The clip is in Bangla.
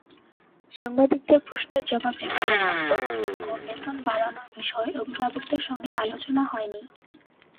সাংবাদিকদের প্রশ্নের জবাবে ভারপ্রাপ্ত অধ্যক্ষ বেতন বাড়ানোর বিষয়ে অভিভাবকদের সঙ্গে আলোচনা হয়নি।